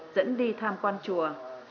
dẫn đi tham quan chùa